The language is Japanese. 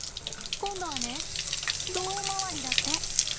今度はね胴回りだって。